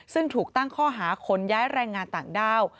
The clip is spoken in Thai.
ซึ่งถูกตั้งข้อหาขนย้ายแรงงานต่างด้าว